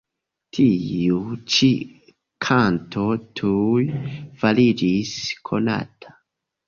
Tiu ĉi kanto tuj fariĝis konata.